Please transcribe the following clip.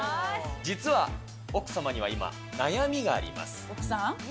実は奥様には今、悩みがあり奥さん？